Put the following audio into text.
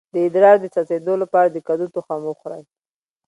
د ادرار د څڅیدو لپاره د کدو تخم وخورئ